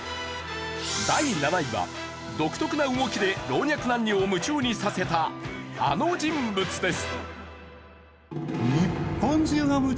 第７位は独特な動きで老若男女を夢中にさせたあの人物です。